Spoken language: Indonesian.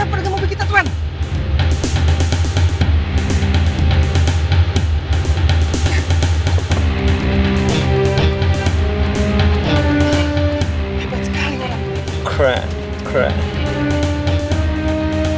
sepertinya kita bisa bekerja sama